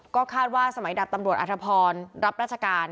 ก็คาดว่าสมัยดับตำรวจอธพรรับราชการ